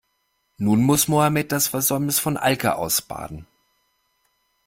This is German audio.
Nun muss Mohammed das Versäumnis von Alke ausbaden.